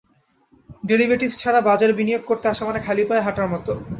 Derivatives ছাড়া বাজারে বিনিয়োগ করতে আসা মানে খালি পায়ে হাঁটার মতো।